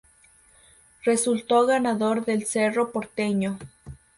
Resultó ganador el Cerro Porteño.